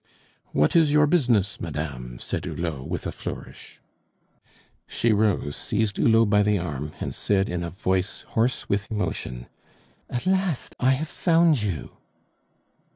"What is your business, madame?" said Hulot, with a flourish. She rose, seized Hulot by the arm, and said in a voice hoarse with emotion: "At last I have found you!"